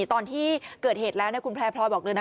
ตอนที่เกิดเหตุแล้วคุณแพร่พลอยบอกเลยนะ